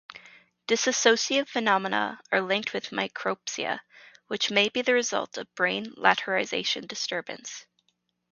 Dissociative phenomena are linked with micropsia, which may be the result of brain-lateralization disturbance.